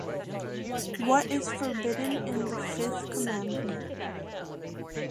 What is forbidden in the fifth commandment?